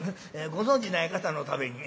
ご存じない方のために。